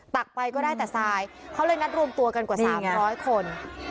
ตักไปก็ได้แต่ทรายเขาเลยนัดรวมตัวกันกว่า๓๐๐คน